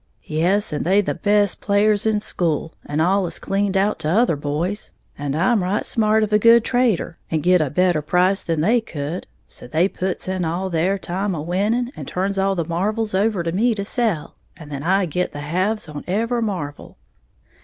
"Yes, and they's the best players in school, and allus cleans out t'other boys; and I'm right smart of a good trader, and git a better price than they could; so they puts in all their time a winning, and turns all the marvles over to me to sell; and then I git the halves on every marvle."